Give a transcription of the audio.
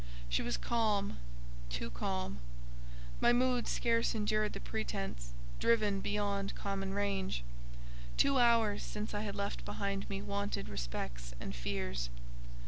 She was calm, too calm; my mood scarce endured the pretence; driven beyond common range, two hours since I had left behind me wonted respects and fears.